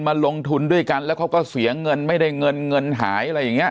มาลงทุนด้วยกันแล้วเขาก็เสียเงินไม่ได้เงินเงินหายอะไรอย่างนี้